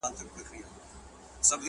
که هر څو درانه بارونه چلومه!!